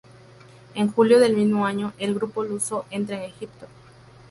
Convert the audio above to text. En julio del mismo año, el grupo luso entra en Egipto.